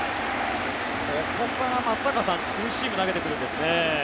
ここから松坂さんツーシーム投げてくるんですね。